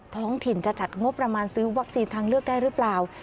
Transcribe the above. ท้องถิ่นจะจัดงบประมาณซื้อวัคซีนทางเลือกได้หรือเปล่า